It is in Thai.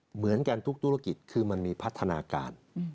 เหมือนกันทุกธุรกิจคือมันมีพัฒนาการ